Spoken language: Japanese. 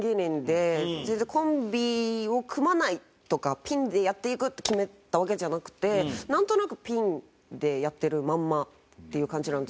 全然コンビを組まないとかピンでやっていくって決めたわけじゃなくてなんとなくピンでやってるまんまっていう感じなんですけど。